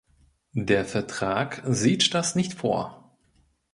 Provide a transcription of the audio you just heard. Der Vertrag sieht das nicht vor.